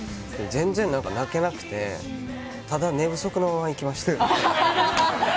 全然泣けなくてただ寝不足のまま行きました。